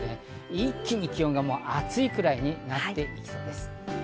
一気に気温が暑いくらいになってきそうです。